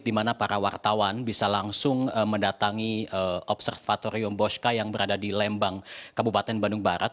di mana para wartawan bisa langsung mendatangi observatorium bosca yang berada di lembang kabupaten bandung barat